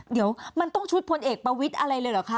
เดี๋ยวมันต้องชุดพลเอกประวิทย์อะไรเลยเหรอคะ